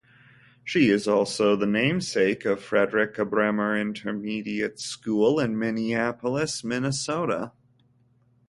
She is also the namesake of Fredrika Bremer Intermediate School in Minneapolis, Minnesota.